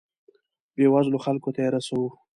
بیوزلو خلکو ته یې رسوو.